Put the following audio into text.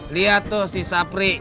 liat tuh si sapri